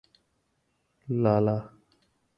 لالا